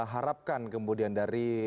harapkan kemudian dari